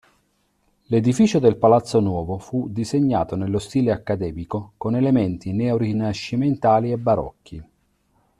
L'edificio del Palazzo Nuovo fu disegnato nello stile accademico, con elementi neorinascimentali e barocchi.